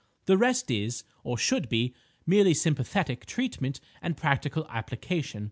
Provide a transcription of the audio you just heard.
The rest is, or should be, merely sympathetic treatment and practical application.